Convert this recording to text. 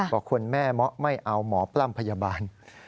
บอกคุณแม่เมาะไม่เอาหมอปล้ำพยาบาล